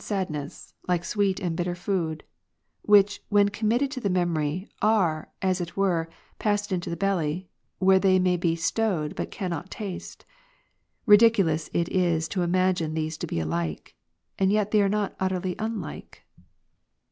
sadness, like sweet and bitter food ; which, when committed ^•^' to the memory, are, as it were, passed into the belly, where they may be stowed, but cannot taste. Ridiculous it is to * imagine these to be alike; and yet are they not utterly unlike.